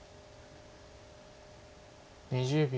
２０秒。